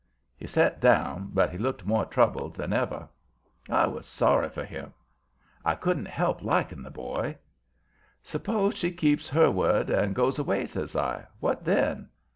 He set down, but he looked more troubled than ever. I was sorry for him; I couldn't help liking the boy. "Suppose she keeps her word and goes away," says I. "What then?"